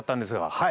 はい。